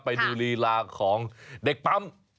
ไปดูลีลาของเด็กปั๊ม